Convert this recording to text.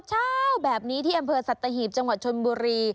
เช้าแบบนี้ที่อำเภอสัตหีบจังหวัดชนบุรี